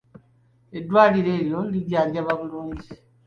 Eddwaliro eryo lijjanjaba bulungi.